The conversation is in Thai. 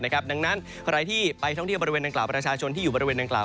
ดังนั้นใครที่ไปบริเวณดังกล่าวหรือมีชายที่อยู่บริเวณดังกล่าว